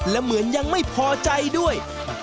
และเหมือนยังไม่พอใจด้วย